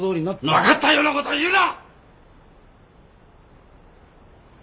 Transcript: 分かったようなこと言うな！